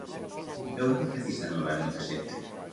Europa precisa nova e moita xente.